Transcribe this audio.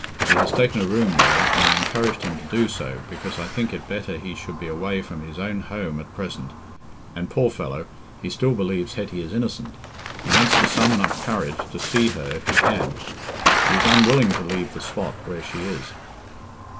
He has taken a room there, and I encouraged him to do so, because I think it better he should be away from his own home at present; and, poor fellow, he still believes Hetty is innocent—he wants to summon up courage to see her if he can; he is unwilling to leave the spot where she is."